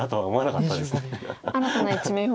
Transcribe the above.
新たな一面を。